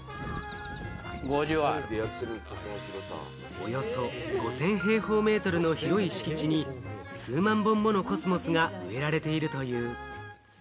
およそ５０００平方メートルの広い敷地に数万本ものコスモスが植えられているという。